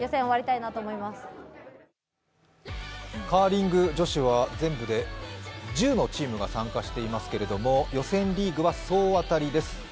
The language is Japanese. カーリング女子は全部で１０のチームが参加していますけれども、予選リーグは総当たりです。